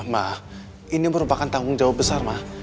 ma ini merupakan tanggung jawab besar ma